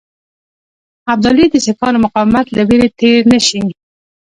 ابدالي د سیکهانو مقاومت له وېرې تېر نه شي.